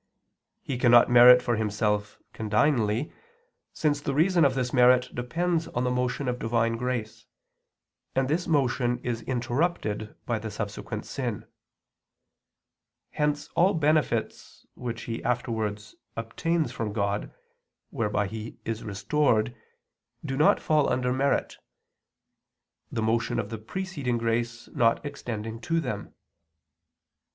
He cannot merit for himself condignly, since the reason of this merit depends on the motion of Divine grace, and this motion is interrupted by the subsequent sin; hence all benefits which he afterwards obtains from God, whereby he is restored, do not fall under merit the motion of the preceding grace not extending to them.